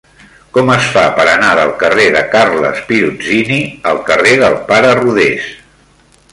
Com es fa per anar del carrer de Carles Pirozzini al carrer del Pare Rodés?